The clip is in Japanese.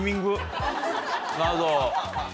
なるほど。